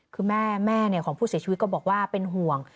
คือแม่ของผู้เสียชีวิตก็บอกว่าเป็นห่วง